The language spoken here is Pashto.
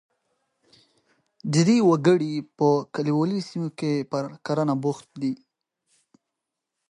ډېری وګړي په کلیوالي سیمو کې پر کرنه بوخت دي.